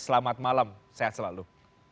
selamat malam sehat selalu